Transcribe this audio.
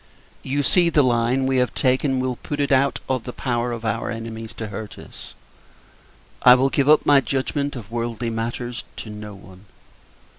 You see, the line we have taken will put it out of the power of our enemies to hurt us. I will give up my judgment of worldly matters to no one.